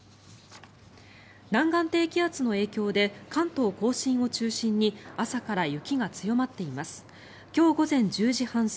南岸低気圧の影響で関東・甲信を中心に朝から雪が強まっています。